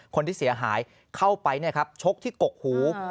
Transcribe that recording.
คนที่เสียหายเข้าไปชกที่กกหู